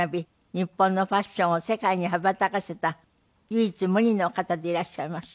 日本のファッションを世界に羽ばたかせた唯一無二の方でいらっしゃいます。